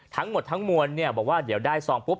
ทั้งหมดทั้งมวลบอกว่าเดี๋ยวได้ซองปุ๊